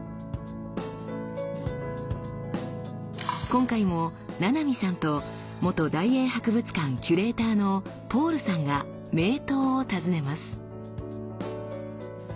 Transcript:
今回も七海さんと元大英博物館キュレーターのポールさんが名刀を訪ねます。